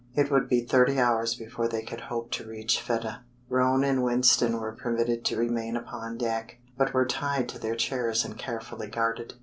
It would be thirty hours before they could hope to reach Fedah. Roane and Winston were permitted to remain upon deck, but were tied to their chairs and carefully guarded.